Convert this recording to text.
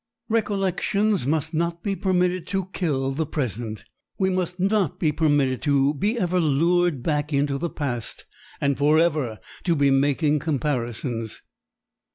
Recollections must not be permitted to kill the present. We must not be permitted to be ever lured back into the past and forever to be making comparisons.